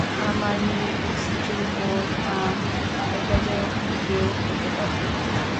আপনার মেয়ে, স্ত্রী, বোন, মা, এটা যে কেউ হতে পারে।